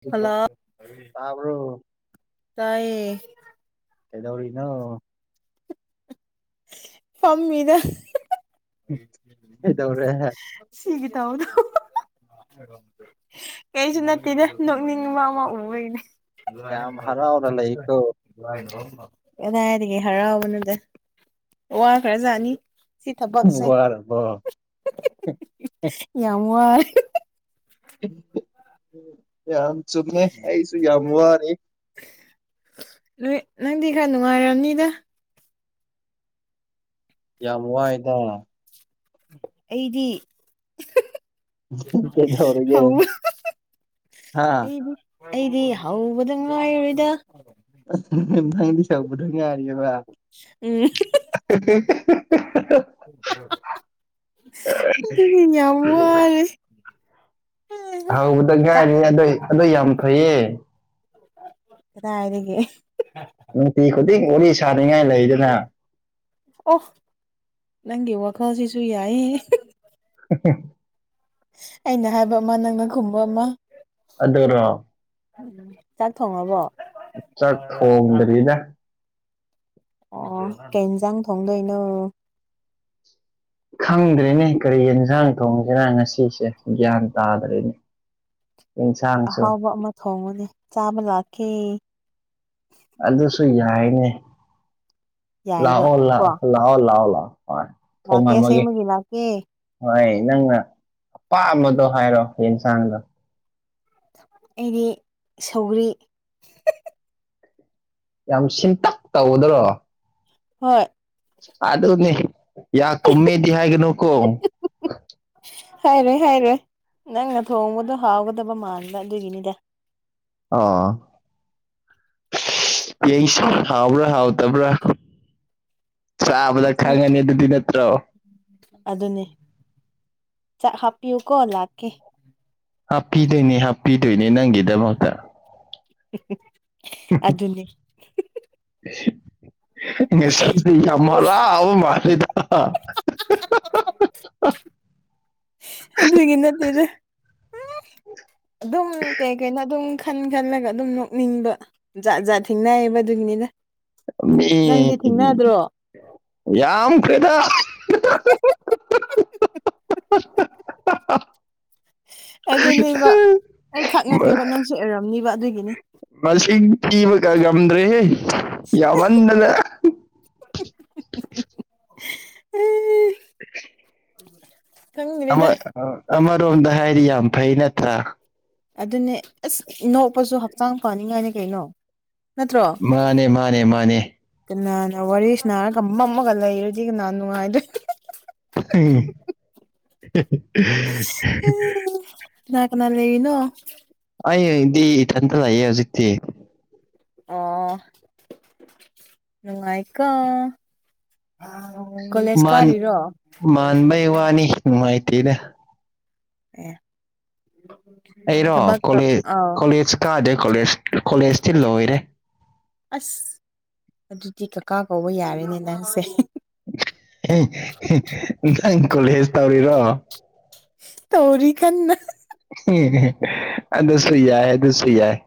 hello hello ꯇꯥꯕ꯭ꯔꯣ ꯇꯥꯌꯦ ꯀꯩꯗꯧꯔꯤꯅꯣ ꯐꯝꯃꯤꯗ [unintelligible] ꯀꯩꯗꯧꯔꯦ ꯁꯤꯒꯤ ꯇꯧꯕꯗꯨ ꯀꯩꯁꯨ ꯅꯠꯇꯦꯗ ꯅꯣꯛꯅꯤꯡꯕ ꯑꯃ ꯎꯕꯩꯅꯦ ꯌꯥꯝ ꯍꯔꯥꯎꯅ ꯂꯩꯀꯣ [unintelligible] ꯀꯗꯥꯏꯗꯒꯤ ꯍꯔꯥꯎꯕꯗ ꯋꯥ ꯈꯔꯖꯅꯤ ꯁꯤ ꯊꯕꯛꯁꯦ ꯋꯥꯔꯕꯣ ꯌꯥꯝ ꯋꯥꯔꯦ ꯌꯥꯝ ꯆꯨꯝꯃꯦ ꯑꯩꯁꯨ ꯌꯥꯝ ꯋꯥꯔꯦ ꯅꯣꯏ ꯅꯪꯗꯤ ꯈꯔ ꯅꯨꯡꯉꯥꯏꯔꯝꯅꯤꯗ ꯌꯥꯝ ꯋꯥꯏꯗ ꯑꯩꯗꯤ ꯑꯧ [unintelligible] ꯀꯩꯗꯧꯔꯒꯦ ꯍꯥ ꯑꯩꯗꯤ ꯑꯩꯗꯤ ꯍꯧꯕꯗ ꯉꯥꯏꯔꯤꯗ ꯎꯝ [unintelligible] [unintelligible] ꯑꯗꯨꯗꯤ ꯌꯥꯝꯋꯥꯔꯦ ꯍꯧꯕꯗ ꯉꯥꯏꯔꯤ ꯑꯗꯨ ꯑꯗꯨ ꯌꯥꯝ ꯐꯩꯌꯦ ꯀꯗꯥꯏꯗꯒꯤ [unintelligible] ꯂꯩꯗꯅ ꯑꯣ ꯅꯪꯒꯤ ꯋꯥ ꯈꯜꯁꯤꯁꯨꯨ ꯌꯥꯏꯌꯦꯍꯦ [unintelligible] ꯑꯩꯅ ꯍꯥꯏꯕ ꯑꯃ ꯅꯪꯅ ꯈꯨꯝꯕ ꯑꯃ ꯑꯗꯨꯔꯣ ꯎꯝ ꯆꯥꯛ ꯊꯣꯡꯉꯕꯣ ꯆꯥꯛ ꯊꯣꯡꯗꯔꯤꯗ ꯑꯣ ꯀꯩ ꯏꯟꯖꯥꯡ ꯊꯣꯡꯗꯣꯏꯅꯣ ꯈꯪꯗ꯭ꯔꯤꯅꯦ ꯀꯔꯤ ꯌꯦꯟꯁꯥꯡ ꯊꯣꯡꯁꯤꯔ ꯉꯁꯤꯁꯦ ꯒ꯭ꯌꯥꯟ ꯇꯥꯗ꯭ꯔꯅꯦ ꯑꯍꯥꯎꯕ ꯑꯃ ꯊꯣꯡꯉꯨꯅꯦ ꯆꯥꯕ ꯂꯥꯛꯀꯦ ꯑꯗꯨꯁꯨ ꯌꯥꯏꯅꯦ ꯌꯥꯏꯕ ꯂꯥꯛꯑꯣ ꯀꯣ ꯂꯥꯛ ꯂꯥꯛꯑꯣ ꯂꯥꯛꯑꯣ ꯂꯥꯛꯑꯣ ꯍꯣꯏ ꯂꯥꯛꯀꯦ ꯊꯣꯡꯉꯝꯃꯒꯦ ꯑꯁꯦꯡꯕꯒꯤ ꯂꯥꯛꯀꯦ ꯍꯣꯏ ꯅꯪꯅ ꯑꯄꯥꯝꯕꯗꯣ ꯍꯥꯏꯔꯣ ꯌꯦꯟꯁꯥꯡꯗꯣ ꯑꯩꯗꯤ ꯁꯧꯒꯔꯤ ꯌꯥꯝ ꯁꯤꯟꯇꯛ ꯇꯧꯕꯗꯨꯔꯣ ꯍꯣꯏ ꯑꯗꯨꯅꯤ ꯌꯥ ꯀꯨꯝꯃꯦꯗꯤ ꯍꯥꯏꯒꯅꯨ ꯀꯣ ꯍꯥꯏꯔꯣꯏ ꯍꯥꯏꯔꯣꯏ ꯅꯪꯅ ꯊꯣꯡꯕꯗꯣ ꯍꯥꯎꯒꯗꯕ ꯃꯥꯟꯕ ꯑꯗꯨꯒꯤꯅꯤꯗ ꯑꯥꯑꯣ ꯌꯦꯡꯁꯦ ꯍꯥꯎꯕ꯭ꯔꯥ ꯍꯥꯎꯇꯕ꯭ꯔꯥ ꯆꯕꯗ ꯁꯨꯝ ꯈꯪꯒꯅꯤ ꯑꯗꯨꯗꯤ ꯅꯠꯇ꯭ꯔꯣ ꯑꯗꯨꯅꯦ ꯆꯥꯛ ꯍꯥꯞꯄꯤꯌꯨꯀꯣ ꯂꯥꯛꯀꯦ ꯍꯥꯞꯄꯤꯗꯣꯏꯅꯦ ꯍꯥꯞꯄꯤꯗꯣꯏꯅꯦ ꯅꯪꯒꯤꯗꯃꯛꯇ [unintelligible] ꯑꯗꯨꯅꯦ [unintelligible] [unintelligible] ꯑꯗꯨꯒꯤ ꯅꯠꯇꯦꯗ INAUDIBLE ꯑꯗꯨꯝ ꯀꯩ- ꯀꯩꯅꯣ ꯑꯗꯨꯝ ꯈꯟ ꯈꯜꯂꯒ ꯑꯗꯨꯝ ꯅꯣꯛꯅꯤꯡꯕ ꯖꯥꯠ ꯖꯥꯠ ꯊꯦꯡꯅꯩꯌꯦꯕ ꯑꯗꯨꯒꯤꯅꯦꯗ INAUDIBLE ꯌꯥꯝ ꯈ꯭ꯔꯦꯗꯥ UNINTELLIGIBLE ꯑꯗꯨꯅꯦꯕ ꯑꯩ ꯈꯛ ꯃꯥ ꯅꯠꯇꯦꯕ ꯅꯪꯁꯨ ꯑꯣꯏꯔꯝꯅꯤꯕ ꯑꯗꯨꯒꯤꯅꯤ ꯃꯁꯤꯡ ꯊꯤꯕꯒ ꯉꯝꯗ꯭ꯔꯦꯍꯦ ꯌꯥꯝꯃꯟꯗꯅ INAUDIBLE INAUDIBLE ꯈꯪꯗ꯭ꯔꯦꯗ ꯑꯃ-ꯑꯃꯔꯣꯝꯗ ꯍꯥꯏꯗꯤ ꯌꯥꯝ ꯐꯩ ꯅꯠꯇ꯭ꯔꯥ ꯑꯗꯨꯅꯦ ꯑꯥꯁ ꯅꯣꯛꯄꯁꯨ ꯍꯛꯆꯥꯡ ꯐꯅꯤꯡ ꯉꯥꯏꯅꯤ ꯀꯩꯅꯣ ꯅꯠꯇ꯭ꯔꯣ ꯃꯥꯅꯦ ꯃꯥꯅꯦ ꯃꯥꯅꯦ ꯀꯅꯥꯅ ꯋꯥꯔꯤ ꯁꯟꯅꯥꯔꯒ ꯃꯝꯃꯒ ꯂꯩꯔꯗꯤ ꯀꯅꯥ ꯅꯨꯡꯉꯥꯏꯗꯣꯏꯅꯣ UNINTELLIGIBLE ꯀꯅꯥꯀꯅꯥ ꯂꯩꯔꯤꯅꯣ ꯑꯩꯑꯣꯏꯗꯤ ꯏꯊꯟꯇ ꯂꯩꯌꯦ ꯍꯧꯖꯤꯛꯇꯤ ꯑꯣꯑꯣ ꯅꯨꯡꯉꯥꯏꯀꯣ ꯀꯣꯂꯦꯖ ꯃꯥꯟ ꯀꯥꯔꯤꯔꯣ ꯃꯥꯟꯕ ꯩ ꯋꯥꯅꯤ ꯅꯨꯡꯉꯥꯏꯇꯦꯗ ꯑꯦ ꯑꯩꯔꯣ ꯊꯕꯛ ꯇꯧ ꯀꯣꯂꯦ ꯑꯥꯎ ꯀꯣꯂꯦꯖ ꯀꯥꯗꯦ ꯀꯣꯂꯦꯖ ꯀꯣꯂꯦꯖꯇꯤ ꯂꯣꯏꯔꯦ ꯑꯥꯁ ꯑꯗꯨꯗꯤ ꯀꯥꯀꯥ ꯀꯧꯕ ꯌꯥꯔꯦꯅꯦ ꯅꯪꯁꯦ ꯅꯪ ꯀꯣꯂꯦꯖ ꯇꯧꯔꯤꯔꯣ ꯇꯧꯔꯤ ꯀꯟꯅ ꯑꯗꯨꯁꯨ ꯌꯥꯢ-ꯑꯗꯨꯁꯨ ꯌꯥꯏ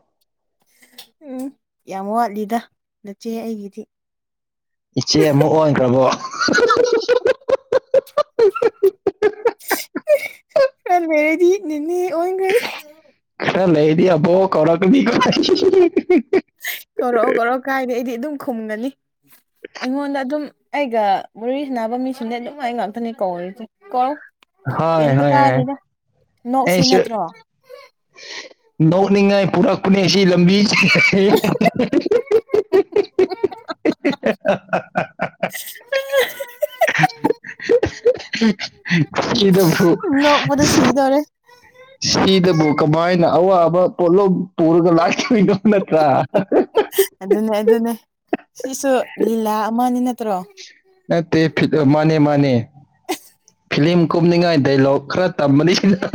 ꯎꯝ ꯌꯥꯝꯋꯥꯠꯂꯤꯗ ꯅꯥꯆꯦ ꯑꯩꯒꯤꯗꯤ ꯏꯆꯦꯑꯃꯨꯛ ꯑꯣꯟꯈ꯭ꯔꯕꯣ ꯈꯔꯥ ꯂꯩꯔꯗꯤ ꯅꯦꯅꯦ ꯑꯣꯟꯈ꯭ꯔꯥꯅꯤ ꯈꯔꯥ ꯂꯩꯔꯗꯤ ꯑꯕꯣꯛ ꯀꯧꯔꯛꯀꯅꯤꯀꯣ ꯀꯧꯔꯛꯑꯣ ꯀꯧꯔꯛꯑꯣ ꯀꯥꯏꯗ ꯑꯩꯗꯤ ꯑꯗꯨꯝ ꯈꯨꯝꯒꯅꯤ ꯑꯩꯉꯣꯟꯗ ꯑꯗꯨꯝ ꯑꯩꯒ ꯋꯥꯔꯤꯁꯥꯟꯅꯕ ꯃꯤꯡꯁꯤꯡꯅ ꯑꯗꯨꯃꯥꯏ ꯉꯥꯛꯇꯅꯤ ꯀꯧꯔꯤꯁꯦ ꯀꯧꯔꯛꯑꯣ ꯍꯣꯏ ꯍꯣꯏ ꯅꯣꯛꯁꯤꯅꯠꯇ꯭ꯔꯣ ꯅꯣꯛꯅꯤꯡꯉꯦ UNINTELLIGIBLE INAUDIBLE ꯅꯣꯛꯄꯗ ꯁꯤꯗꯧꯔꯦ INAUDIBLE ꯁꯤꯗꯕꯨ ꯀꯃꯥꯏꯅ ꯑꯋꯥꯕ ꯄꯣꯠꯂꯨꯝ ꯄꯨꯔꯒ ꯂꯥꯛꯏ UNINTELLIGIBLE ꯑꯗꯨꯅꯦ ꯑꯗꯨꯅꯦ ꯁꯤꯁꯨ ꯂꯤꯂꯥꯑꯃꯅꯤ ꯅꯠꯇ꯭ꯔꯣ ꯃꯥꯅꯦꯃꯥꯅꯦ ꯐꯤꯂꯤꯌꯝ ꯀꯨꯝꯅꯤꯡꯉꯥꯏ ꯗꯥꯏꯂꯣꯛ ꯈꯔ ꯇꯝꯃꯅꯤ ꯁꯤꯗ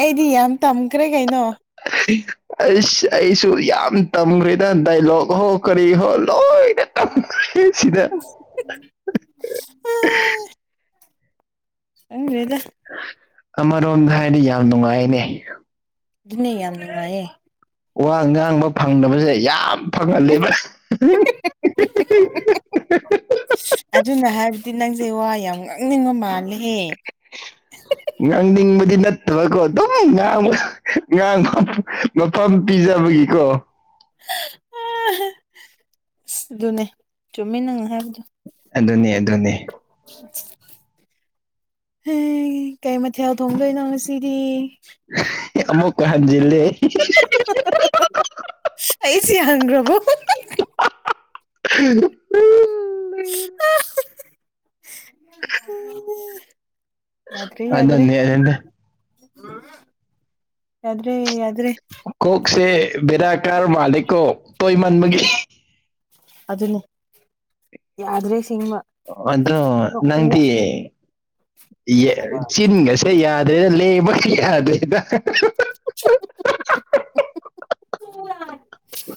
ꯑꯩꯗꯤ ꯌꯥꯝ ꯇꯝꯈ꯭ꯔꯦ ꯀꯩꯅꯣ ꯑꯩꯁ ꯑꯩꯁꯨ ꯌꯥꯝ ꯇꯝꯈ꯭ꯔꯦꯗ ꯗꯥꯏꯂꯣꯛ ꯍꯣ ꯍꯣ ꯀꯔꯤ ꯍꯣ ꯂꯣꯏꯅ ꯇꯝꯈ꯭ꯔꯦ ꯁꯤꯗ ꯑꯥꯑꯑ ꯈꯪꯗ꯭ꯔꯦꯗ ꯑꯃꯔꯣꯝꯗ ꯍꯥꯏꯗꯤ ꯌꯥꯝ ꯅꯨꯡꯉꯥꯏꯅꯦ ꯑꯗꯨꯅꯦ ꯌꯥꯝ ꯅꯨꯡꯉꯥꯢꯌꯦ ꯋꯥ ꯉꯥꯡꯕ ꯐꯪꯗꯕꯁꯦ ꯌꯥꯝ ꯐꯪꯍꯜꯂꯦꯕ [unintelligible] ꯑꯗꯨꯅ ꯍꯥꯏꯕꯗꯤ ꯅꯪꯁꯦ ꯋꯥ ꯌꯥꯝ ꯉꯥꯡꯅꯤꯡꯕ ꯃꯥꯜꯂꯦ ꯉꯥꯡꯅꯤꯡꯕꯗꯤ ꯅꯠ ꯅꯠꯇꯕꯀꯣ ꯑꯗꯨꯝ ꯉꯥꯡꯕ ꯉꯥꯡꯕ ꯃꯐꯝ ꯄꯤꯖꯕꯒꯤꯀꯣ [unintelligible] ꯑꯗꯨꯅꯦ ꯆꯨꯝꯃꯤ ꯅꯪꯅ ꯍꯥꯏꯕꯗꯣ ꯑꯗꯨꯅꯦ ꯑꯗꯨꯅꯦ ꯍꯩ ꯀꯩ ꯃꯊꯦꯜ ꯊꯣꯡꯗꯣꯏꯅꯣ ꯉꯁꯤꯗꯤ ꯑꯃꯨꯛꯀ ꯍꯟꯖꯤꯜꯂꯦ ꯑꯩ ꯁꯤ ꯍꯪꯒ꯭ꯔꯕꯣ ꯑꯥ [unintelligible] [unintelligible] ꯌꯥꯗ꯭ꯔꯦ ꯌꯥꯗ꯭ꯔꯦ ꯑꯗꯨꯅꯦ ꯑꯗꯨꯅꯦ ꯌꯥꯗ꯭ꯔꯦ ꯌ ꯀꯣꯛꯁꯦ ꯕꯦꯔꯥ ꯀꯔ ꯃꯥꯜꯂꯦꯀꯣ ꯇꯣꯏꯃꯥꯟꯕꯒꯤ ꯑꯗꯨꯅꯦ ꯌꯥꯗ꯭ꯔꯦ ꯁꯦꯡꯕ ꯑꯗꯣ [unintelligible] ꯆꯤꯟꯒꯥꯁꯦ ꯌꯥꯗ꯭ꯔꯦꯗ ꯂꯦꯡꯕꯒ ꯌꯥꯗꯦꯗ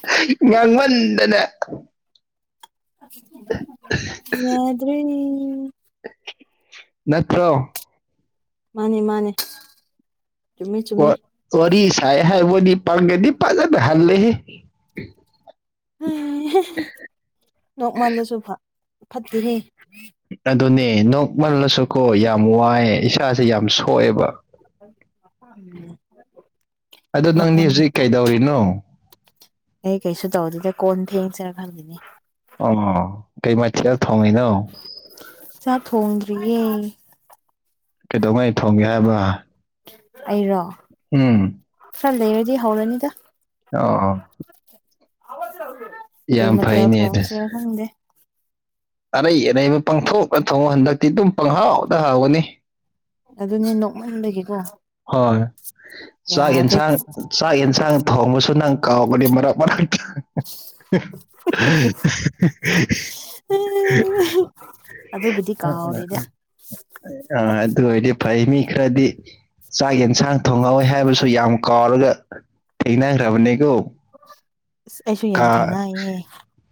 [unintelligible] ꯉꯥꯡꯃꯟꯗꯅ ꯌꯥꯗ꯭ꯔꯦꯅꯦ ꯅꯠꯇ꯭ꯔꯣ ꯃꯥꯅꯦ ꯃꯥꯅꯦ ꯆꯨꯝꯃꯦ ꯆꯨꯝꯃꯦ ꯋꯥꯔꯤ ꯁꯥꯏ ꯍꯥꯏꯕꯗꯤ ꯄꯥꯡꯒꯜꯗꯤ ꯐꯖꯅ ꯍꯜꯂꯦꯍꯦ ꯑꯦꯍꯦ ꯅꯣꯛꯃꯜꯂꯁꯨ ꯐ ꯐꯠꯇꯦꯅꯦ ꯑꯗꯨꯅꯦ ꯅꯣꯛꯃꯜꯂꯁꯨꯀꯣ ꯌꯥꯝ ꯋꯥꯏꯑꯦ ꯏꯁꯥꯁꯦ ꯌꯥꯝ ꯁꯣꯛꯑꯦꯕ ꯎꯝ ꯑꯗꯣ ꯅꯪꯗꯤ ꯍꯧꯖꯤꯛ ꯀꯩꯗꯧꯔꯤꯅꯣ ꯑꯩ ꯀꯩꯁꯨ ꯇꯧꯗꯗ ꯀꯣꯟ ꯐꯦꯡꯁꯤꯔ ꯈꯜꯂꯤꯅꯦ ꯑꯣ ꯀꯩ ꯃꯥꯊꯦꯜ ꯆꯥꯛ ꯊꯣꯡꯗ꯭ꯔꯤꯌꯦ ꯀꯩꯗꯧꯉꯩ ꯊꯣꯡꯒꯦ ꯍꯥꯏꯕ ꯑꯩꯔꯣ ꯎꯝ ꯈꯔ ꯂꯩꯔꯗꯤ ꯍꯧꯔꯅꯤꯗ ꯑꯣ ꯀꯩ ꯌꯥꯝ ꯃꯊꯦꯜ ꯐꯩꯅꯦ ꯑꯗꯨ ꯊꯣꯡꯁꯤꯔ ꯈꯪꯗꯦ ꯑꯔꯩ ꯑꯔꯩꯕ ꯄꯪꯊꯣꯛ ꯊꯣꯡꯉꯣ ꯍꯟꯗꯛꯇꯤ ꯑꯗꯨꯝ ꯄꯪꯍꯥꯎꯗ ꯍꯥꯎꯒꯅꯤ ꯑꯗꯨꯅꯦ ꯅꯣꯛꯃꯟꯕꯒꯤꯀꯣ ꯍꯣꯏ ꯆꯥꯛ ꯌꯥꯗ꯭ꯔꯦ ꯌꯦꯟꯁꯥꯡ ꯆꯥꯛ ꯌꯦꯟꯁꯥꯡ ꯊꯣꯡꯕꯁꯨ ꯅꯪ ꯀꯥꯎꯒꯅꯤ ꯃꯔꯛ ꯃꯔꯛ ꯑꯗꯨꯕꯨꯗꯤ ꯀꯥꯎꯔꯦꯗ [unintelligible] ꯑꯥ ꯑꯗꯨ ꯑꯣꯢꯔꯗꯤ ꯐꯩ ꯃꯤ ꯈꯔꯗꯤ ꯆꯥꯛ ꯌꯦꯟꯁꯥꯡ ꯊꯣꯡꯉꯧꯋꯦ ꯍꯥꯏꯕꯁꯨ ꯌꯥꯝ ꯀꯥꯎꯔꯒ ꯊꯦꯡꯅꯪꯈ꯭ꯔꯕꯅꯦ ꯀꯣ [inaudible] [inaudible] ꯌꯥꯝ ꯀꯥ ꯊꯦꯡꯅꯩꯌꯦ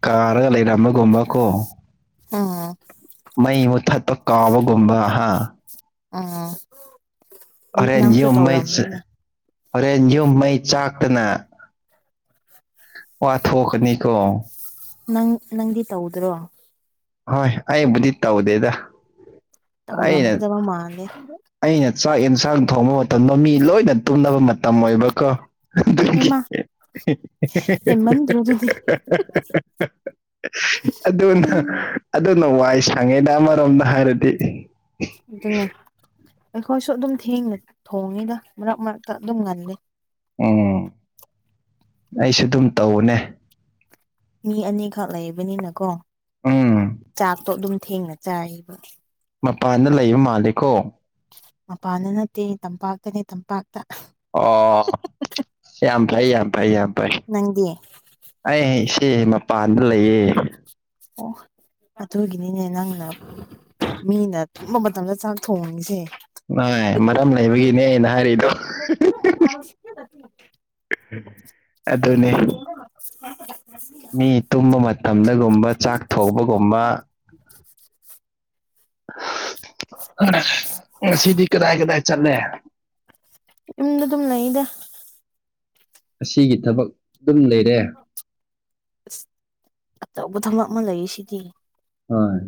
ꯀꯥꯔꯒ ꯂꯩꯔꯝꯕꯒꯨꯝꯕ ꯀꯣ ꯑꯣ ꯀꯥꯎꯕꯒꯨꯝꯕ ꯍꯥ ꯑꯣ ꯍꯣꯔꯦꯟ ꯌꯨꯝ ꯃꯩ ꯍꯣꯔꯦꯟ ꯌꯨꯝ ꯃꯩ ꯆꯥꯛꯇꯅ ꯋꯥ ꯊꯣꯛꯀꯅꯤ ꯀꯣ ꯅꯪ ꯅꯪꯗꯤ ꯇꯧꯗ꯭ꯔꯣ ꯍꯣꯏ ꯑꯩꯕꯨꯗꯤ ꯇꯧꯗꯦꯗ ꯑꯩꯅ ꯇꯧꯔꯝꯒꯗꯕ ꯃꯥꯜꯂꯦ ꯑꯩꯅ ꯆꯥꯛ ꯌꯦꯟꯁꯥꯡ ꯊꯣꯡꯕ ꯃꯇꯝꯗꯣ ꯃꯤ ꯂꯣꯏꯅ ꯇꯨꯝꯅꯕ ꯃꯇꯝ ꯑꯣꯏꯕꯀꯣ ꯗꯨꯒꯤ ꯍꯩꯃꯥ ꯍꯦꯍꯦꯍꯦ ꯍꯦꯟꯃꯟꯗ꯭ꯔꯣ ꯑꯗꯨꯗꯤ ꯑꯗꯨꯅ ꯎꯝ ꯑꯗꯨꯅ ꯋꯥꯏ ꯁꯪꯉꯦꯗ ꯑꯃꯔꯣꯝꯗ ꯍꯥꯏꯔꯗꯤ ꯑꯗꯨꯅꯦ ꯑꯩꯈꯣꯏꯁꯨ ꯑꯗꯨꯝ ꯊꯦꯡꯅ ꯊꯣꯡꯉꯤꯗ ꯃꯔꯛ ꯃꯔꯛꯇ ꯑꯗꯨꯝ ꯉꯜꯂꯤ ꯎꯝ ꯑꯩꯁꯨ ꯑꯗꯨꯝ ꯇꯧꯕꯅꯦ ꯃꯤ ꯑꯅꯤꯈꯛ ꯂꯩꯕꯅꯤꯅ ꯀꯣ ꯎꯝ ꯊꯦꯡꯅ ꯆꯥꯏꯌꯦꯕ ꯃꯄꯥꯟꯗ ꯂꯩꯕ ꯃꯥꯜꯂꯦ ꯀꯣ ꯃꯄꯥꯟꯅ ꯅꯠꯇꯦ ꯇꯝꯄꯥꯛꯇꯅꯦ ꯇꯝꯄꯥꯛ ꯑꯣ ꯌꯥꯝ ꯐꯩ ꯌꯥꯝ ꯐꯩ ꯌꯥꯝ ꯐꯩ ꯅꯪꯗꯤ ꯑꯩ ꯍꯌꯦꯡ ꯑꯦ ꯃꯄꯥꯟꯗ ꯂꯩꯌꯦ ꯑꯣ ꯑꯗꯨꯒꯤꯅꯤꯅꯦ ꯅꯪꯅ ꯃꯤꯅ ꯇꯨꯝꯕ ꯃꯇꯝꯗ ꯆꯥꯛ ꯊꯣꯡꯉꯤꯁꯦ ꯅꯦꯅ ꯍꯥꯢꯔꯤꯗꯣ [inaudible] ꯑꯗꯨꯅꯦ [inaudible] ꯃꯤ ꯇꯨꯝꯕ ꯃꯇꯝꯗꯒꯨꯝꯕ ꯆꯥꯛ ꯊꯣꯡꯕꯒꯨꯝꯕ [inaudible] ꯉꯁꯤꯗꯤ ꯀꯗꯥꯏ ꯀꯗꯥꯏ ꯆꯠꯂꯦ ꯌꯨꯝꯗ ꯑꯗꯨꯝ ꯂꯩꯌꯦꯗ ꯑꯁꯤꯒꯤ ꯊꯕꯛ ꯑꯗꯨꯝ ꯂꯩꯔꯦ ꯑꯁ ꯑꯆꯧꯕ ꯊꯕꯛ ꯑꯃ ꯂꯩ ꯔꯤꯁꯤꯗꯤ ꯍꯣꯏ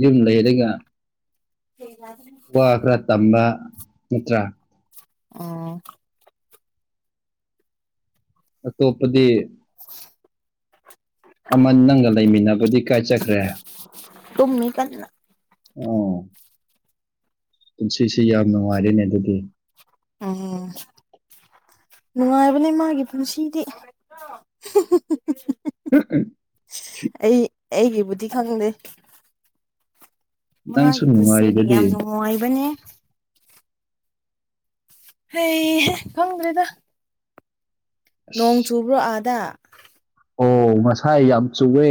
ꯌꯨꯝ ꯂꯩꯔꯒ ꯋꯥ ꯈꯔ ꯇꯝꯕ ꯅꯠꯇ꯭ꯔꯥ ꯑꯣ ꯑꯇꯣꯞꯄꯗꯤ ꯑꯃ ꯅꯪꯒ ꯂꯩꯃꯤꯟꯅꯕꯗꯤ ꯀꯔꯥꯏ ꯆꯠꯈ꯭ꯔꯦ ꯇꯨꯃꯤ ꯀꯟꯅꯥ ꯎꯝ ꯄꯨꯟꯁꯤꯁꯤ ꯌꯥꯝ ꯅꯨꯡꯉꯥꯏꯔꯦꯅꯦ ꯑꯗꯨꯗꯤ ꯎꯝ ꯅꯨꯡꯉꯥꯏꯕꯅꯦ ꯃꯥꯒꯤ ꯄꯨꯟꯁꯤꯗꯤ ꯑ [inaudible] ꯑꯩ ꯑꯩꯒꯤꯕꯨꯗꯤ ꯈꯪꯗꯦ ꯅꯪꯁꯨ ꯃꯥꯒꯤ ꯄꯨꯟꯁꯤꯅꯤ ꯅꯨꯡꯉꯥꯏꯔꯤꯗꯨꯗꯤ ꯌꯥꯝ ꯅꯨꯡꯉꯥꯏꯕꯅꯦ ꯍꯩꯍꯦ ꯈꯪꯗ꯭ꯔꯦꯗ ꯅꯣꯡ ꯑꯁ ꯆꯨꯕ꯭ꯔꯣ ꯑꯥꯗꯥ ꯑꯣ ꯉꯁꯥꯏ ꯌꯥꯝ ꯆꯨꯋꯦ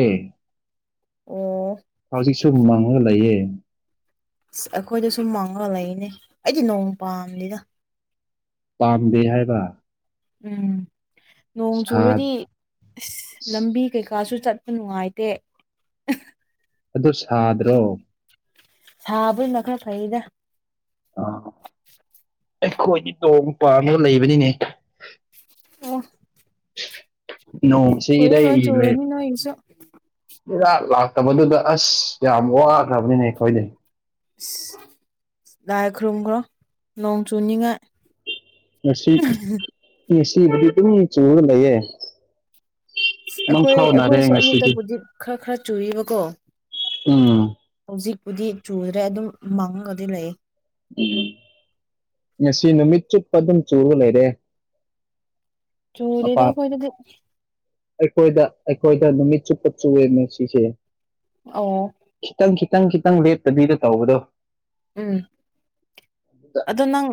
ꯑꯣ ꯍꯧꯖꯤꯛꯁꯨ ꯃꯪꯉꯒ ꯂꯩꯌꯦ ꯑꯈꯣꯏꯗꯁꯨ ꯃꯪꯉ ꯂꯩꯅꯦ ꯑꯩꯗꯤ ꯅꯣꯡ ꯄꯥꯝꯂꯤꯗ ꯄꯥꯝꯗꯦ ꯍꯥꯏꯕ ꯎꯝ ꯅꯣꯡ ꯁꯥ ꯆꯨꯔꯗꯤ ꯑꯁ ꯂꯝꯕꯤ ꯀꯩꯀꯥꯁꯨ ꯆꯠꯄ ꯅꯨꯡꯉꯥꯏꯇꯦ ꯑꯗꯨ ꯁꯥꯗ꯭ꯔꯣ ꯁꯥꯕ ꯅ ꯈꯔ ꯐꯩꯗ ꯑ ꯑꯩꯈꯣꯏꯗꯤ ꯅꯣꯡ ꯄꯥꯝꯃꯒ ꯂꯩꯕꯅꯤꯅꯦ ꯑꯣ ꯅꯣꯡꯁꯤ ꯀꯨꯏꯔꯔꯣꯏ ꯏꯔꯩ ꯂꯩ ꯆꯨꯔꯅꯤ ꯅꯣꯏꯒꯤꯁꯨ ꯏꯔꯥꯠ ꯂꯥꯛꯇꯕꯗꯨꯗ ꯑꯁ ꯌꯥꯝ ꯋꯥꯈ꯭ꯔꯕꯅꯤꯅꯦ ꯑꯩꯈꯣꯏꯗꯤ ꯑꯁ ꯂꯥꯏ ꯈꯨꯔꯨꯝꯈ꯭ꯔꯣ ꯅꯣꯡ ꯆꯨꯅꯤꯡꯉꯥꯏ ꯉꯁꯤ ꯉꯁꯤꯕꯨꯗꯤ ꯑꯗꯨꯝ ꯆꯨꯔꯒ ꯂꯩꯌꯦ ꯑꯩꯈꯣꯏ ꯃꯪꯐꯥꯎꯅꯔꯦ ꯑꯩꯈꯣꯏꯁꯨ ꯉꯁꯤꯗꯤ ꯑꯌꯨꯛꯇꯕꯨꯗꯤ ꯈꯔ ꯈꯔ ꯆꯨꯏꯌꯦꯕꯀꯣ ꯎꯝ ꯍꯨꯖꯤꯛꯄꯨꯗꯤ ꯆꯨꯗ꯭ꯔꯦ ꯑꯗꯨꯝ ꯃꯥꯡꯉꯒꯗꯤ ꯂꯩ ꯎꯝ ꯉꯁꯤ ꯅꯨꯃꯤꯠ ꯆꯨꯞꯄ ꯑꯗꯨꯝ ꯆꯨꯔ ꯂꯩꯔꯦ ꯆꯨꯗꯦꯅ ꯃꯄꯥꯟ ꯑꯈꯣꯢꯗꯗꯤ ꯑꯩꯈꯣꯏꯗ ꯑꯩꯈꯣꯏꯗ ꯅꯨꯃꯤꯠ ꯆꯨꯞꯄ ꯆꯨꯌꯦ ꯉꯁꯤꯁꯦ ꯑꯣ ꯈꯤꯇꯪ ꯈꯤ ꯈꯤꯇꯪ ꯈꯤꯇꯪ ꯂꯦꯞꯇꯕꯤꯗ ꯇꯧꯕꯗꯣ ꯎꯝ ꯑꯗꯣ ꯅꯪ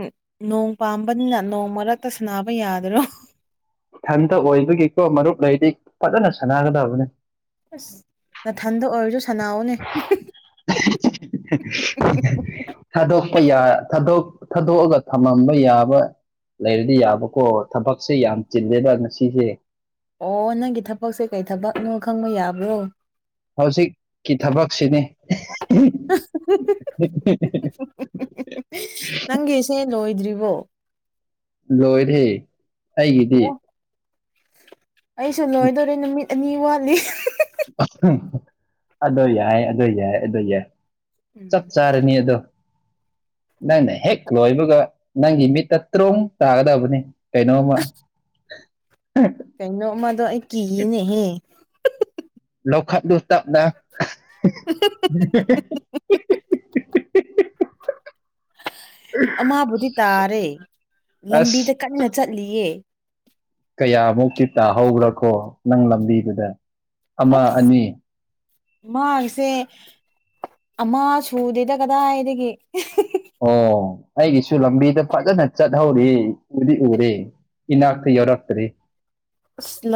ꯅꯣꯡ ꯄꯥꯝꯕꯅꯤꯅ ꯅꯣꯡ ꯃꯔꯛꯇ ꯁꯅꯕ ꯌꯥꯗꯔꯣ ꯊꯟꯇ ꯑꯣꯏꯕꯒꯤ ꯀꯣ ꯃꯔꯨꯞ ꯂꯩꯗꯤ ꯐꯖꯅ ꯁꯥꯟꯅꯒꯗꯕꯅꯦ ꯑꯁ ꯅꯊꯟꯗ ꯑꯣꯏꯔꯁꯨ ꯁꯥꯟꯅꯧꯅꯦ [unintelligible] ꯊꯥꯗꯣꯛꯄ ꯌꯥ ꯊꯥꯗꯣꯛ ꯊꯥꯗꯣꯛꯑꯒ ꯊꯝꯃꯝꯕ ꯌꯥꯕ ꯂꯩꯔꯗꯤ ꯌꯥꯕꯀꯣ ꯊꯕꯛꯁꯦ ꯌꯥꯝ ꯆꯤꯜꯗꯦꯗ ꯉꯁꯤꯁꯦ ꯑꯣ ꯅꯪꯒꯤ ꯊꯕꯛꯁꯦ ꯀꯩ ꯊꯕꯛꯅꯣ ꯈꯪꯕ ꯌꯥꯕ꯭ꯔꯣ ꯍꯧꯖꯤꯛꯀꯤ ꯊꯕꯛꯁꯤꯅꯦ ꯅꯪꯒꯤꯁꯦ ꯂꯣꯏ ꯗ꯭ꯔꯤꯕꯣ ꯂꯣꯏꯔꯦ ꯑꯩꯒꯤꯗꯤ ꯑꯣ ꯑꯩꯁꯨ ꯂꯣꯏꯗꯣꯔꯦ ꯅꯨꯃꯤꯠ ꯑꯅꯤ ꯋꯥꯠꯂꯤ ꯑꯗꯣ ꯌꯥꯏ ꯑꯗꯣ ꯌꯥꯏ ꯑꯗꯣ ꯌꯥꯏ ꯎꯝ ꯆꯞ ꯆꯥꯔꯅꯤ ꯑꯗꯣ ꯅꯪꯅ ꯍꯦꯛ ꯂꯣꯏꯕꯒ ꯅꯪꯒꯤ ꯃꯤꯠꯇ ꯇ꯭ꯔꯣꯡ ꯇꯥꯒꯗꯕꯅꯦ ꯀꯩꯅꯣꯝꯃ ꯀꯩꯅꯣ ꯑꯃꯗꯣ ꯑꯩ ꯀꯤꯌꯦꯅꯦꯍꯦ ꯂꯧꯈꯠꯂꯣ ꯇꯞꯅ [unintelligible] ꯑꯃꯕꯨꯗꯤ ꯇꯥꯔꯦ ꯑꯁ ꯂꯝꯕꯤꯗ ꯀꯟꯅ ꯆꯠꯂꯤꯌꯦ ꯀꯌꯥꯃꯨꯛꯇꯤ ꯇꯥꯍꯧꯕ꯭ꯔꯀꯣ ꯅꯪ ꯂꯝꯕꯤꯗꯨꯗ ꯑꯃ ꯑꯅꯤ ꯃꯥꯥꯒꯤꯁꯦ ꯑꯃ ꯁꯨꯗꯦꯗ ꯀꯗꯥꯏꯗꯒꯤ ꯑꯣ ꯑꯩꯒꯤꯁꯨ ꯂꯝꯕꯤꯗ ꯐꯖꯅ ꯆꯠꯍꯧꯔꯤ ꯎꯗꯤ ꯎꯔꯦ ꯏꯅꯥꯛꯇ ꯌꯧꯔꯛꯇ꯭ꯔꯤ ꯑꯁ ꯂꯝ